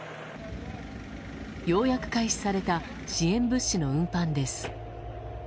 ようやく開始された支援物資の運搬です。